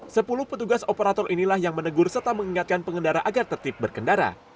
sepuluh petugas operator inilah yang menegur serta mengingatkan pengendara agar tertib berkendara